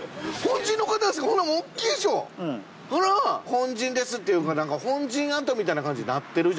「本陣です」っていうか本陣跡みたいな感じになってる。